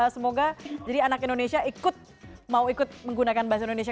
semoga jadi anak indonesia ikut mau ikut menggunakan bahasa indonesia